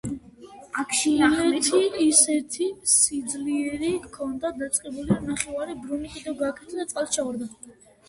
ილეთი ისეთი სიძლიერით ჰქონდა დაწყებული, რომ ნახევარი ბრუნი კიდევ გააკეთა და წყალში ჩავარდა.